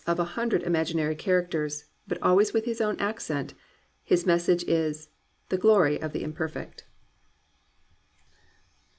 GLORY OF THE IMPERFECT" a hundred imaginary characters, but always with his own accent, — his message is "the Glory of the Imperfect."